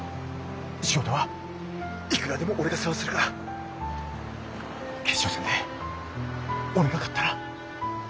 仕事はいくらでも俺が世話するから決勝戦で俺が勝ったら。